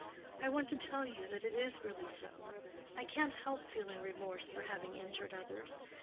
"I want to tell you that it is really so—I can't help feeling remorse for having injured others.